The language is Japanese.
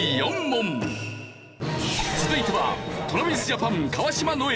続いてはＴｒａｖｉｓＪａｐａｎ川島如恵